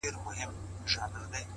• هر چا وژلي په خپل نوبت یو ,